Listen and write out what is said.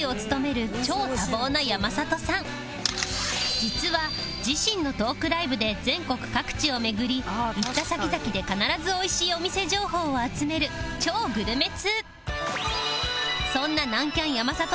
実は自身のトークライブで全国各地を巡り行った先々で必ず美味しいお店情報を集める超グルメ通